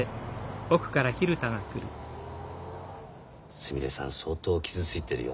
すみれさん相当傷ついてるよ。